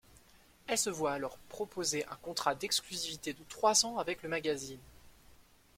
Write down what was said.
Elle se voit alors proposer un contrat d'exclusivité de trois ans avec le magazine.